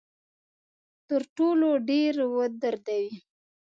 تر ټولو ډیر ودردوي.